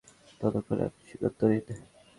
ততক্ষণে আপনি সিদ্ধান্ত নিন।